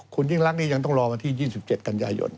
คุณยิ่งรักนี่ยังต้องรอวันที่๒๗กันยายน